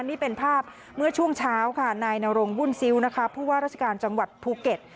นี่เป็นภาพเมื่อช่วงเช้าค่ะนายนรงวุ่นซิ้วนะคะผู้ว่าราชการจังหวัดภูเก็ต